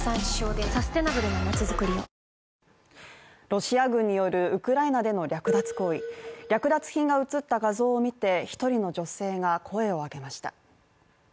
ロシア軍によるウクライナでの略奪行為、略奪品が写った画像を見て１人の女性が声を上げました。